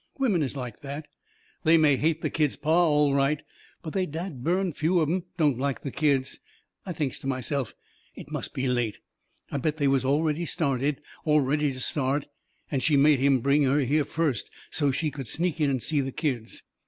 Women is like that. They may hate the kids' pa all right, but they's dad burned few of 'em don't like the kids. I thinks to myself: "It must be late. I bet they was already started, or ready to start, and she made him bring her here first so's she could sneak in and see the kids.